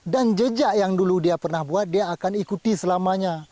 dan jejak yang dulu dia pernah buat dia akan ikuti selamanya